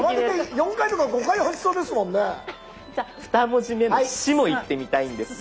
じゃあ２文字目の「し」もいってみたいんですが。